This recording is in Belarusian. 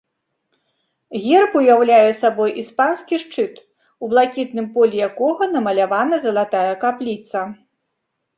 Герб уяўляе сабой іспанскі шчыт, у блакітным полі якога намалявана залатая капліца.